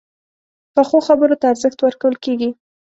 پخو خبرو ته ارزښت ورکول کېږي